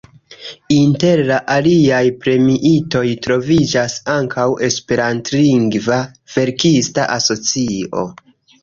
Inter la aliaj premiitoj troviĝas ankaŭ Esperantlingva Verkista Asocio.